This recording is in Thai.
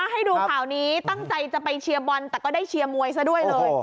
ให้ดูข่าวนี้ตั้งใจจะไปเชียร์บอลแต่ก็ได้เชียร์มวยซะด้วยเลย